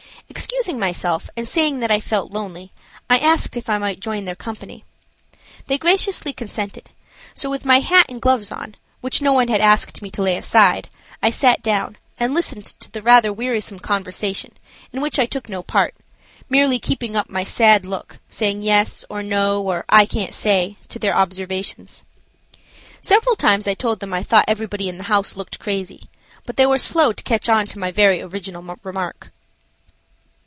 Excusing myself and saying that I felt lonely, I asked if I might join their company. They graciously consented, so with my hat and gloves on, which no one had asked me to lay aside, I sat down and listened to the rather wearisome conversation, in which I took no part, merely keeping up my sad look, saying "Yes," or "No," or "I can't say," to their observations. Several times I told them I thought everybody in the house looked crazy, but they were slow to catch on to my very original remark.